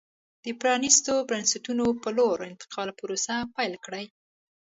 د پرانېستو بنسټونو په لور انتقال پروسه پیل کړي.